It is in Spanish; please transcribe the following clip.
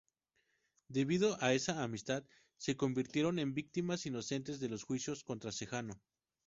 Debido a esa amistad, se convirtieron en víctimas inocentes de los juicios contra Sejano.